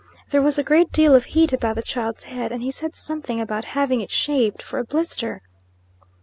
There was a great deal of heat about the child's head, and he said something about having it shaved for a blister.